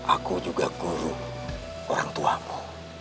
aku juga guru orangtuamu